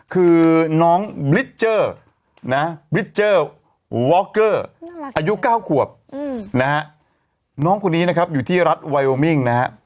คือน้องนะอายุเก้าขวบอืมนะฮะน้องคนนี้นะครับอยู่ที่รัฐไวโอมิงนะฮะ